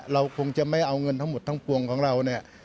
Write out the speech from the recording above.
เราคงจะไม่เอาเงินทั้งหมดทั้งปวงของเราเนี่ย